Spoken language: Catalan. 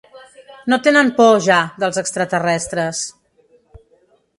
No tenen por, ja, dels extraterrestres.